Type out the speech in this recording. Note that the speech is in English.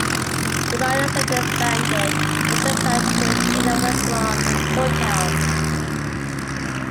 The Marriotts later expanded their enterprise into a chain of restaurants and hotels.